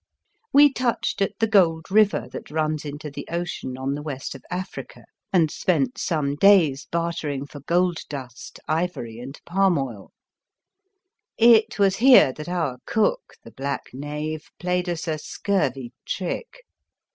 We touched at the Gold River that runs into the ocean on the West of Africa, and spent some days bartering 7 The Fearsome Island for gold dust, ivory, and palm oil. It was here that our cook, the black knave, played us a scurvy trick.